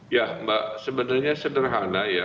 ya mbak sebenarnya sederhana ya